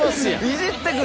いじってくる。